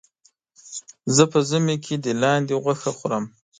زه په ژمي کې د لاندې غوښه خورم.